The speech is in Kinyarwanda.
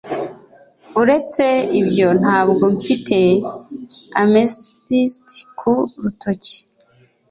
Uretse ibyo ntabwo mfite amethyst ku rutoki